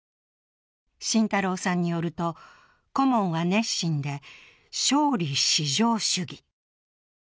信太郎さんによると、顧問は熱心で勝利至上主義。